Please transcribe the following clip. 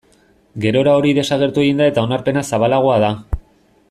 Gerora hori desagertu egin da eta onarpena zabalagoa da.